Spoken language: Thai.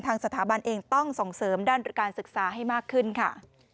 สถาบันเองต้องส่งเสริมด้านการศึกษาให้มากขึ้นค่ะ